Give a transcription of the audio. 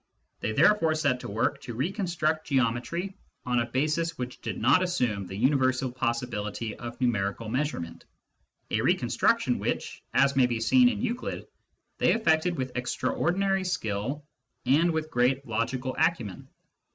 They therefore set to work to reconstruct geometry on a basis which did not assume the universal possibility of numerical measurement — a reconstruction which, as may be seen in Euclid, they effected with extraordinary skill and with great logical acumen.